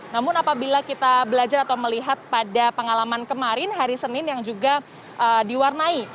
namun apabila kita belajar atau melihat pada pengalaman kemarin hari senin yang juga diwarnai